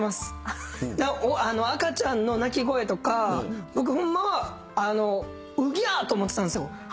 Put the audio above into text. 赤ちゃんの泣き声とか僕ホンマは「ウギャー」と思ってたんですよ。